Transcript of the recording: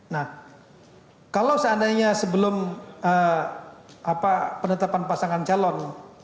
nah kalau seandainya sebelum penetapan pasangan calon